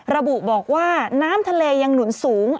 ระบุบอกว่าน้ำทะเลยังหนุนสูง